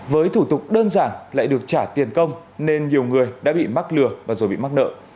với thủ tục đơn giản lại được trả tiền công nên nhiều người đã bị mắc lừa và rồi bị mắc nợ